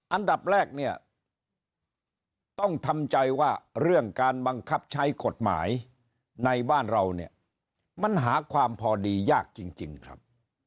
อันดับแรกเนี่ยต้องทำใจว่าเรื่องการบังคับใช้กฎหมายในบ้านเราเนี่ยมันหาความพอดียากจริงครับ